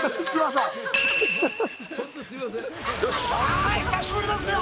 さあ、久しぶりですよ！